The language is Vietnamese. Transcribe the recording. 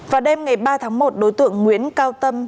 vào đêm ngày ba tháng một đối tượng nguyễn cao tâm